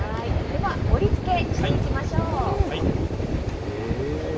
では盛り付けしていきましょう。